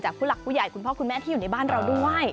ผู้หลักผู้ใหญ่คุณพ่อคุณแม่ที่อยู่ในบ้านเราด้วย